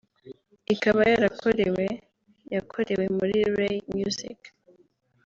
ikaba yarakorewe yakorewe muri Ray Music